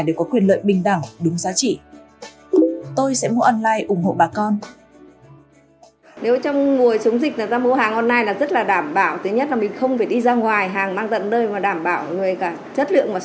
để có quyền lợi bình đẳng đúng giá trị tôi sẽ mua online ủng hộ bà con